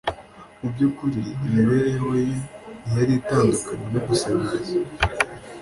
mu byukuri, imibereho ye ntiyari itandukanye no gusabiriza: